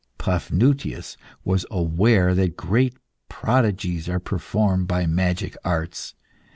Paphnutius was aware that great prodigies are performed by magic arts.